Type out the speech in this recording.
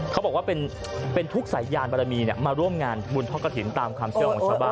เขาบอกว่าเป็นทุกสายยานบารมีมาร่วมงานบุญทอดกระถิ่นตามความเชื่อของชาวบ้าน